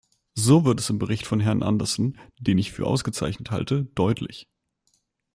So wird es im Bericht von Herrn Andersson den ich für ausgezeichnet halte deutlich.